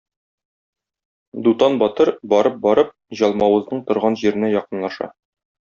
Дутан батыр барып-барып, Җалмавызның торган җиренә якынлаша.